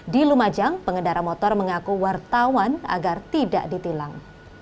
di lumajang pengendara motor mengaku wartawan agar tidak ditilang